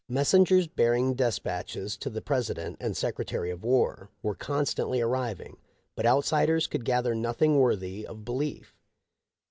Messengers bearing despatches to the President and Secretary of War were constantly arriving, but outsiders could gather.nothing worthy of belief.